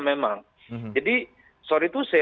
memang jadi sorry to say